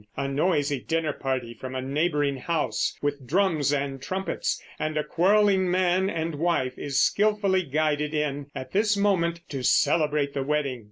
A noisy dinner party from a neighboring house, with drums and trumpets and a quarreling man and wife, is skillfully guided in at this moment to celebrate the wedding.